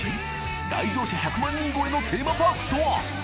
来場者１００万人越えのテーマパークとは！？